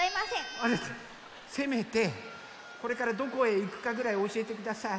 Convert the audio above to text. せめてこれからどこへいくかぐらいおしえてください。